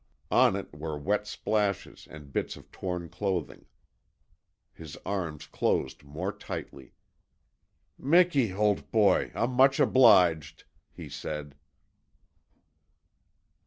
On it were wet splashes and bits of torn clothing. His arms closed more tightly. "Miki, old boy, I'm much obliged," he said.